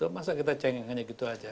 masa kita cengeng hanya gitu aja